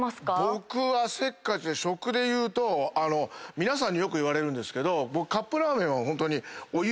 僕は食でいうと皆さんによく言われるんですけど。